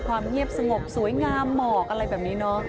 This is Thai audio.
ความเงียบสงบสวยงามหมอกอะไรแบบนี้เนาะ